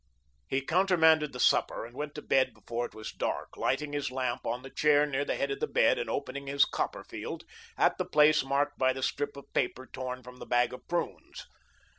He countermanded the supper and went to bed before it was dark, lighting his lamp, on the chair near the head of the bed, and opening his "Copperfield" at the place marked by the strip of paper torn from the bag of prunes.